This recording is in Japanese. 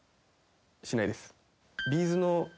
しないです。